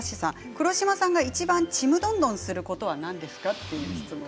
黒島さんがいちばんちむどんどんすることは何ですかという質問。